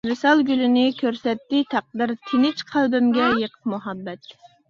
ۋىسال گۈلىنى كۆرسەتتى تەقدىر، تىنچ قەلبىمگە يېقىپ مۇھەببەت.